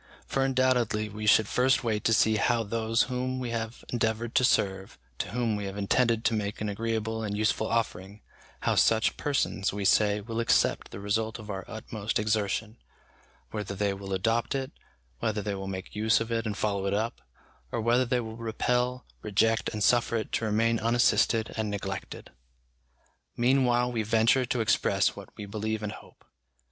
For undoubtedly we should first wait to see how those whom we have endeavoured to serve, to whom we have intended to make an agreeable and useful offering, how such persons, we say, will accept the result of our utmost exertion: whether they will adopt it, whether they will make use of it and follow it up, or whether they will repel, reject, and suffer it to remain unassisted and neglected. Meanwhile, we venture to express what we believe and hope.